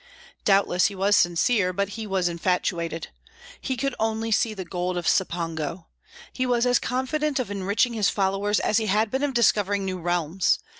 Doubtless he was sincere, but he was infatuated. He could only see the gold of Cipango. He was as confident of enriching his followers as he had been of discovering new realms.